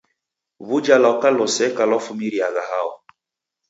W'uja lwaka loseka lwafumiriagha hao?